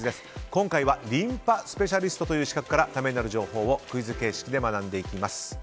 今回はリンパスペシャリストという資格からためになる情報をクイズ形式で学んでいきます。